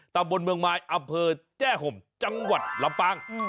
ตำบลเมืองมายอำเภอแจ้ห่มจังหวัดลำปาง